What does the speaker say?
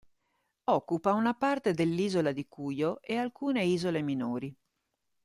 Occupa una parte dell'isola di Cuyo e alcune isole minori.